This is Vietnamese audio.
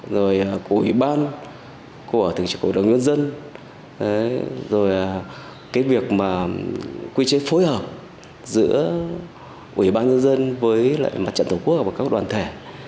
rồi của ủy ban của thường trực của đồng nhân dân rồi cái việc mà quy chế phối hợp giữa ủy ban nhân dân với lại mặt trận tổ quốc và các đoàn thể